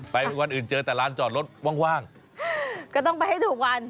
วันอื่นเจอแต่ร้านจอดรถว่างก็ต้องไปให้ถูกกัน